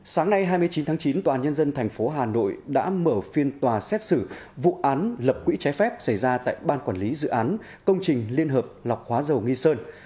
sáng nay hai mươi chín tháng chín tòa nhân dân tp hà nội đã mở phiên tòa xét xử vụ án lập quỹ trái phép xảy ra tại ban quản lý dự án công trình liên hợp lọc hóa dầu nghi sơn